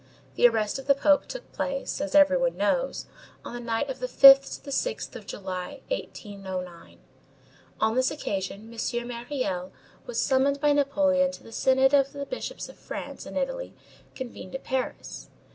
The arrest of the Pope took place, as every one knows, on the night of the 5th to the 6th of July, 1809; on this occasion, M. Myriel was summoned by Napoleon to the synod of the bishops of France and Italy convened at Paris.